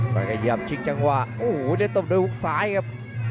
มันกระเยี่ยมชิงจังหวะโอ้โหได้ตบด้วยฮุกซ้ายครับ